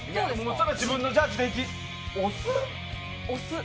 自分のジャッジでいき。